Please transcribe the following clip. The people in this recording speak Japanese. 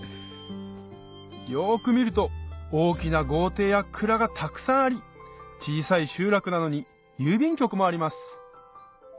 よく見ると大きな豪邸や蔵がたくさんあり小さい集落なのに郵便局もあります